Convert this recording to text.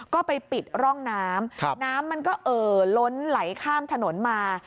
ก็ไปปิดร่องน้ำน้ำมันก็เอ่อล้นไหลข้ามถนนมา